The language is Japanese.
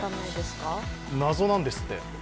謎なんですって。